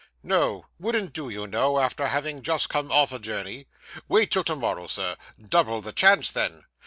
'No; wouldn't do, you know, after having just come off a journey. Wait till to morrow, sir; double the chance then.